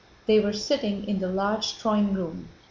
They were sitting in the large drawing room.